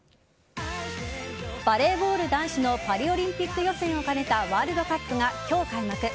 バレーボール男子のパリオリンピック予選を兼ねたワールドカップが今日開幕。